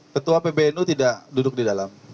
ketua pbnu tidak duduk di dalam